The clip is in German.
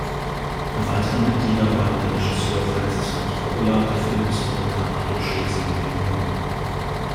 Weitere Mitglieder waren der Regisseur Francis Ford Coppola, der Filmhistoriker Arthur Schlesinger, Jr.